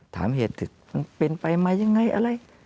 ถามเหตุมันเป็นไปมายังไงอะไร